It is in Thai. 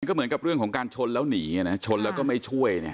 ก็เหมือนกับเรื่องของการชนแล้วหนีนะชนแล้วก็ไม่ช่วย